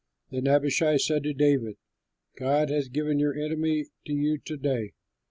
Then Abishai said to David, "God has given your enemy to you to day.